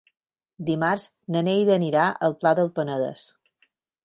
Dimarts na Neida anirà al Pla del Penedès.